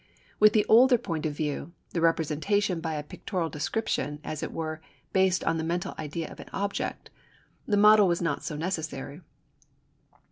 With the older point of view (the representation by a pictorial description, as it were, based on the mental idea of an object), the model was not so necessary.